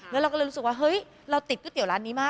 แล้วเราก็เลยรู้สึกว่าเฮ้ยเราติดก๋วยเตี๋ยร้านนี้มาก